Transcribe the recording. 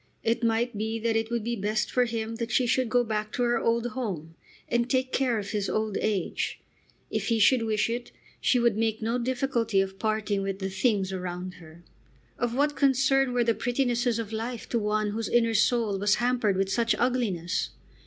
It might be that it would be best for him that she should go back to her old home, and take care of his old age. If he should wish it, she would make no difficulty of parting with the things around her. Of what concern were the prettinesses of life to one whose inner soul was hampered with such ugliness?